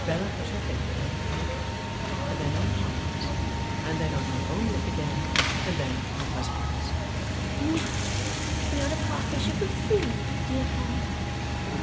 Bella put her finger on her own lip, and then on Pa's, and then on her own lip again, and then on her husband's. 'Now, we are a partnership of three, dear Pa.